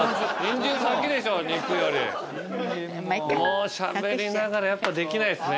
もうしゃべりながらやっぱできないっすね。